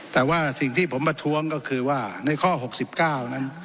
แต่ว่าสิ่งที่ผมประท้วงก็คือว่าในข้อ๖๙นั้น